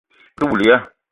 Ou te woul ya?